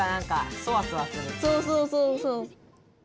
そうそうそうそう。